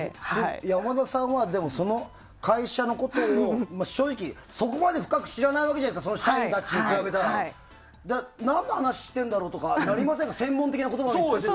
山田さんはその会社のことを正直、そこまで深く知らないわけじゃないですか社員たちに比べたら。何の話してるんだろうとかなりませんか？